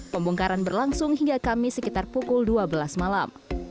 pembongkaran berlangsung hingga kamis sekitar pukul dua belas malam